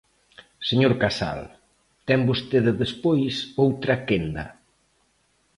Señor Casal, ten vostede despois outra quenda.